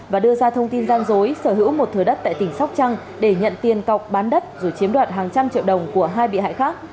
và đưa ra thông tin gian dối sở hữu một thừa đất tại tỉnh sóc trăng để nhận tiền cọc bán đất rồi chiếm đoạt hàng trăm triệu đồng của hai bị hại khác